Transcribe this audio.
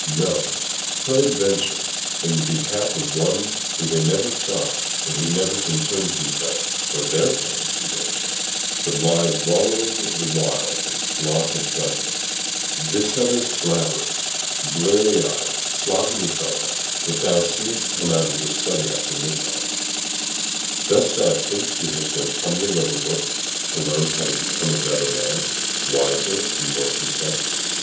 No; peradventure in the behalf of one whom they never saw and who never concerns himself for their pains and danger, but lies wallowing the while in sloth and pleasure: this other slavering, blear eyed, slovenly fellow, that thou seest come out of his study after midnight, dost thou think he has been tumbling over books to learn how to become a better man, wiser, and more content?